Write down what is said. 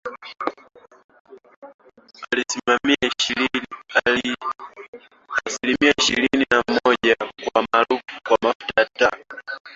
asilimia ishirini na moja kwa mafuta ya taa